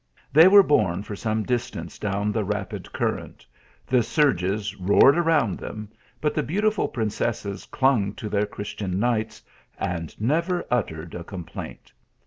They were borne for some distance down the rapid current, the surges roared round them, but the beautiful princesses clung to their Christian knights and never uttered a complaint.